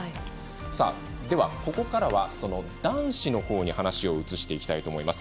では、ここからは男子のほうに話を移していきます。